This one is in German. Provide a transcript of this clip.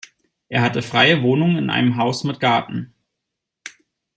Er hatte freie Wohnung in einem Haus mit Garten.